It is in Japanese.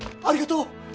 ありがとう！